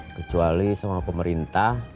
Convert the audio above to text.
kecuali sama pemerintah